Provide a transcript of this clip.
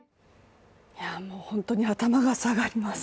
もう本当に頭が下がります。